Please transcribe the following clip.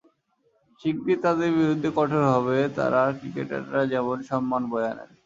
শিগগিরই তাদের বিরুদ্ধে কঠোর হবে তারা ক্রিকেটাররা যেমন সম্মান বয়ে আনেন।